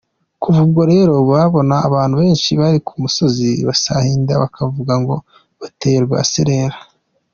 Kuva ubwo rero, babona abantu benshi bari ku musozi basahinda, bakavuga ngo “Bateye rwaserera”.